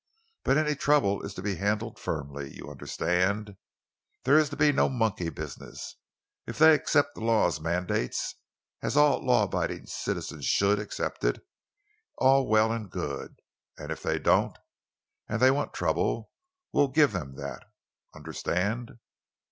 But any trouble is to be handled firmly, you understand. There is to be no monkey business. If they accept the law's mandates, as all law abiding citizens should accept it, all well and good. And if they don't—and they want trouble, we'll give them that! Understand?"